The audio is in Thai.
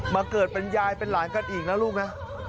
เกิดเป็นยายเป็นหลานกันอีกนะลูกนะ